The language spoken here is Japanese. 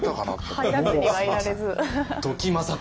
入らずにはいられず。